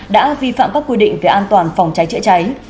đã vi phạm các quy định về an toàn phòng trái chữa trái